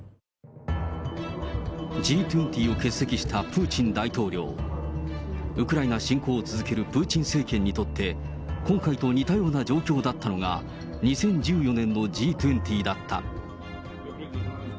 プーチン大統領も、ウクライナ侵攻を続けるプーチン政権にとって、今回と似たような状況だったのが、２０１４年のＧ２０だった。